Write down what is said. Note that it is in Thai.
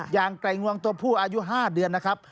อย่างไก่งวงตัวผู้อายุ๕เดือนนะครับ